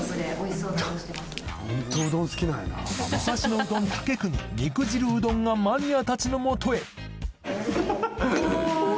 武蔵野うどん竹國肉汁うどんがマニアたちのもとへお！